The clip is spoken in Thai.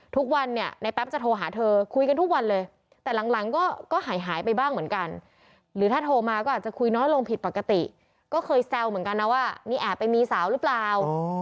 ทุกวันเนี่ยในแป๊บจะโทรหาเธอคุยกันทุกวันเลยแต่หลังก็หายไปบ้างเหมือนกันหรือถ้าโทรมาก็อาจจะคุยน้อยลงผิดปกติก็เคยแซวเหมือนกันนะว่านี่แอบไปมีสาวหรือเปล่า